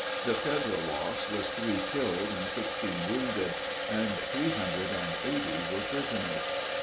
The Federal loss was three killed and sixteen wounded, and three hundred and eighty were prisoners.